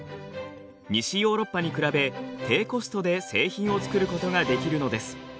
西ヨーロッパに比べ低コストで製品を作ることができるのです。